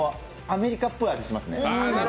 アメリカっぽい味しますね。